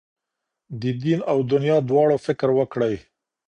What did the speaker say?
د دین او دنیا دواړو فکر وکړئ.